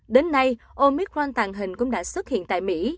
đến nay omicron tàng hình cũng đã xuất hiện tại mỹ